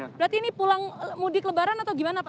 berarti ini pulang mudik lebaran atau gimana pak